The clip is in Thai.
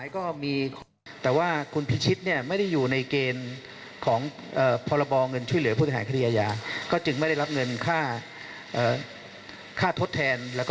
ค่าถูกคุ้มขังทั้ง๒ตัวนี่ไม่ได้นะฮะ